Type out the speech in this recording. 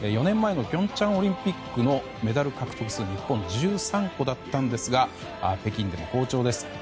４年前の平昌オリンピックのメダル獲得数は日本、１３個だったんですが北京でも好調です。